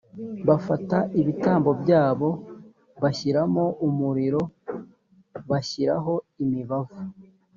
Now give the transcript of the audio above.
bafata ibitambo byabo bashyiramo umuriro, bashyiraho imibavu